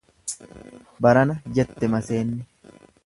Barana jette maseenni.